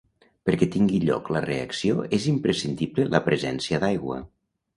Perquè tingui lloc la reacció és imprescindible la presència d'aigua.